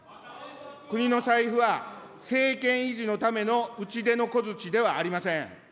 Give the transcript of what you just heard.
国の財布は、政権維持のための打ち出の小づちではありません。